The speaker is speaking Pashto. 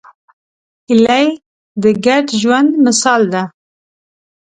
هیلۍ د ګډ ژوند مثال ده